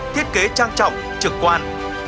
thiết kế trang trọng trực quan